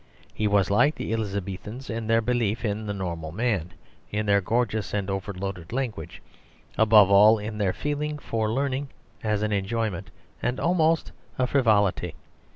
He was like the Elizabethans in their belief in the normal man, in their gorgeous and over loaded language, above all in their feeling for learning as an enjoyment and almost a frivolity.